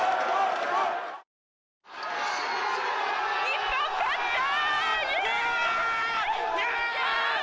日本勝った！